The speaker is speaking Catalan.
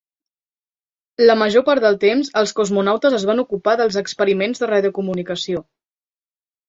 La major part del temps els cosmonautes es van ocupar dels experiments de radiocomunicació.